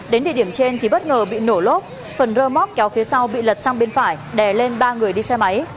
đến địa điểm trên thì bất ngờ bị nổ lốp phần rơ móc kéo phía sau bị lật sang bên phải đè lên ba người đi xe máy